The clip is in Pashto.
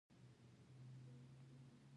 دویم بهیر نامرئي طالبان دي.